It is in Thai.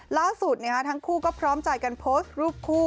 ล่าสุดทั้งคู่ก็พร้อมใจกันโพสต์รูปคู่